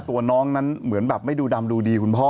ตัวน้องนั้นเหมือนแบบไม่ดูดำดูดีคุณพ่อ